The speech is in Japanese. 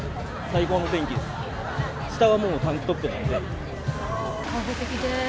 最高の天気です。